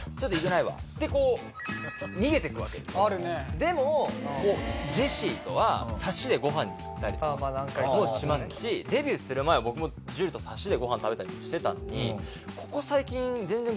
でもジェシーとはサシでご飯に行ったりとかもしますしデビューする前僕も樹とサシでご飯食べたりもしてたのに。